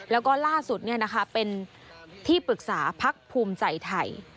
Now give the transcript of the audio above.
แล้วก็ล่าสุดเป็นที่ปรึกษาพักภูมิใจไทย